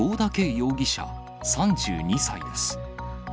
容疑者３２歳です。